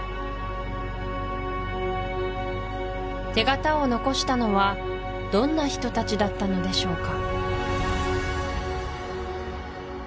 手形を残したのはどんな人たちだったのでしょうか